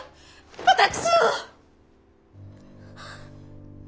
私を！